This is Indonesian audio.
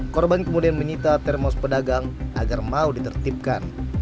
korban kemudian menyita termos pedagang agar mau ditertibkan